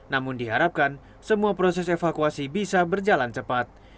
namun diharapkan semua proses evakuasi bisa berjalan cepat